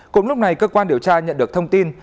cùng lúc này cơ quan điều tra nhận được thông tin